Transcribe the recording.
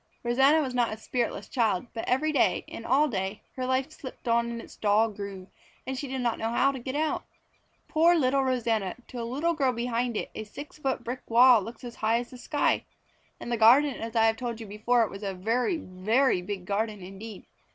Rosanna was not a spiritless child, but every day and all day her life slipped on in its dull groove and she did not know how to get out. Poor little Rosanna! To the little girl behind it, a six foot brick wall looks as high as the sky. And the garden, as I have told you before, was a very, very big garden indeed.